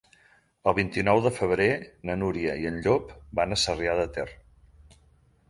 El vint-i-nou de febrer na Núria i en Llop van a Sarrià de Ter.